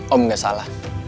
om gak salah